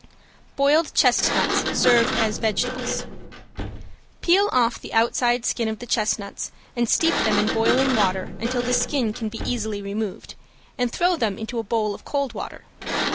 ~BOILED CHESTNUTS SERVED AS VEGETABLES~ Peel off the outside skin of the chestnuts and steep them in boiling water until the skin can be easily removed, and throw them into a bowl of cold water.